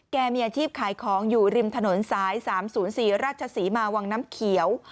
มีอาชีพขายของอยู่ริมถนนสาย๓๐๔ราชศรีมาวังน้ำเขียว